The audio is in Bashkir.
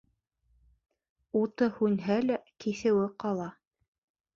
Уты һүнһә лә, киҫеүе ҡала.